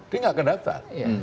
dia nggak akan daftar